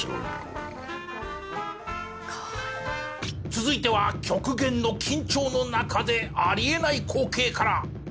続いては極限の緊張の中であり得ない光景から。